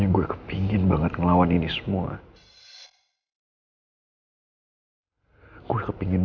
tentu wijak gue bisa selesaikan untuk untuk pores penting